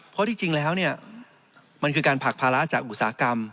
เพราะที่จริงแล้วเนี่ยมันคือการผลักภาระจากอุตสาหกรรม